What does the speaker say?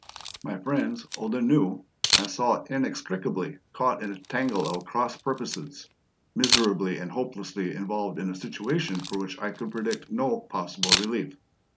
My friends old and new I saw inextricably caught in a tangle of cross purposes, miserably and hopelessly involved in a situation for which I could predict no possible relief.